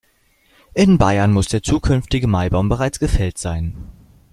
In Bayern muss der zukünftige Maibaum bereits gefällt sein.